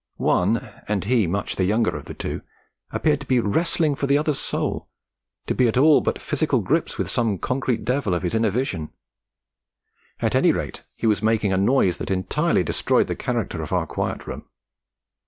One, and he much the younger of the two, appeared to be wrestling for the other's soul, to be at all but physical grips with some concrete devil of his inner vision; at any rate he was making a noise that entirely destroyed the character of our Quiet Room.